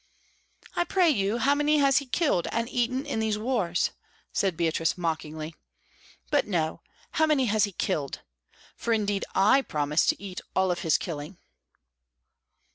"I pray you, how many has he killed and eaten in these wars?" said Beatrice mockingly. "But no, how many has he killed? For, indeed, I promised to eat all of his killing."